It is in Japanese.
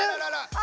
あ！